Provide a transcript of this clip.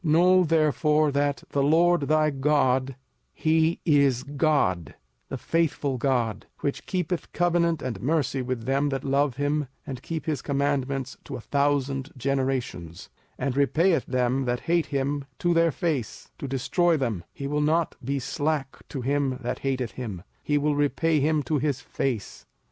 05:007:009 Know therefore that the LORD thy God, he is God, the faithful God, which keepeth covenant and mercy with them that love him and keep his commandments to a thousand generations; 05:007:010 And repayeth them that hate him to their face, to destroy them: he will not be slack to him that hateth him, he will repay him to his face.